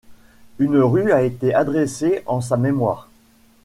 Une rue a été adressée en sa mémoire.